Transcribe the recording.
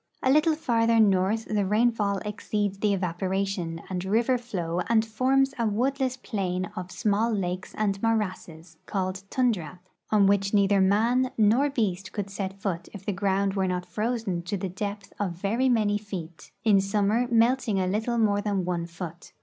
A little farther north the rainfall exceeds the evaporation and river flow and forms a woodless plain of small lakes and morasses, called tundra, on which neither man nor beast could set foot if the ground were not frozen to the depth of very many feet; in summer melting a little more than one foot.